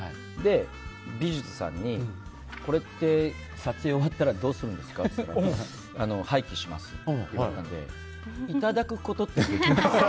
美術さんにこれって撮影終わったらどうするんですかって言ったら廃棄しますって言ってたんでいただくことってできますか？